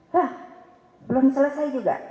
hah belum selesai juga